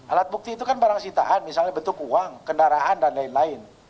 alat bukti itu kan barang sitaan misalnya bentuk uang kendaraan dan lain lain